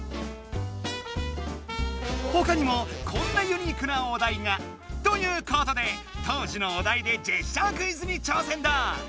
ほかにもこんなユニークなお題が！ということで当時のお題でジェスチャークイズに挑戦だ！